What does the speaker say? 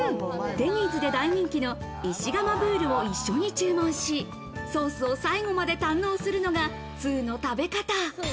デニーズで大人気の石窯ブールを一緒に注文し、ソースを最後まで堪能するのが通の食べ方。